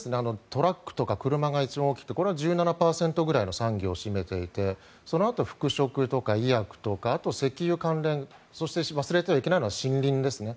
トラックとか車が一番大きくてこれは１７％ぐらいの産業を占めていてそのあと服飾とか医薬とかあと、石油関連そして、忘れてはいけないのが森林ですね。